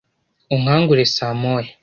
Unkangure saa moya.